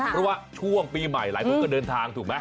เพราะว่าช่วงปีใหม่หลายคนก็เดินทางถูกไหม